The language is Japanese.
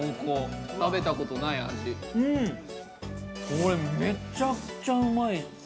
これ、めちゃくちゃうまい。